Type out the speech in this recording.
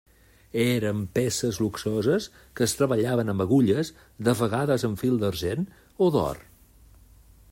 Eren peces luxoses que es treballaven amb agulles, de vegades amb fil d'argent o d'or.